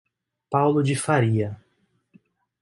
Paulo de Faria